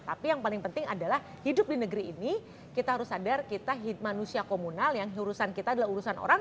tapi yang paling penting adalah hidup di negeri ini kita harus sadar kita manusia komunal yang urusan kita adalah urusan orang